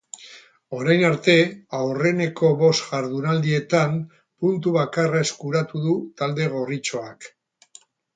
Orain arte, aurreneko bost jardunaldietan, puntu bakarra eskuratu du talde gorritxoak.